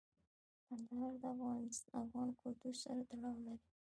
کندهار د افغان کلتور سره تړاو لري.